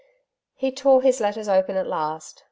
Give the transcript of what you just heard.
He tore his letters open at last.